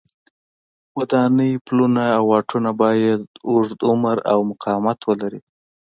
ودانۍ، پلونه او واټونه باید اوږد عمر او مقاومت ولري.